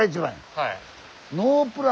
はい。